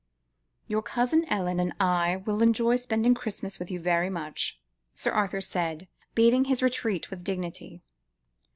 "Your cousin Ellen and I will enjoy spending Christmas with you very much," Sir Arthur said, beating his retreat with dignity.